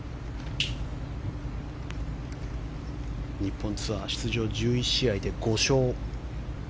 日本ツアー出場１１試合で５勝。